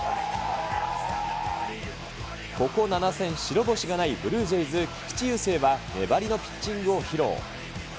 ここ７戦、白星がないブルージェイズ、菊池雄星は粘りのピッチングを披露。